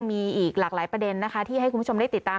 มีอีกหลากหลายประเด็นนะคะที่ให้คุณผู้ชมได้ติดตาม